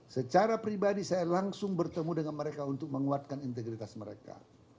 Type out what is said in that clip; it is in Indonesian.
secara pribadi saya langsung bertemu dengan mereka untuk menguatkan integritas mereka